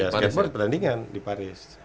skateboard pertandingan di paris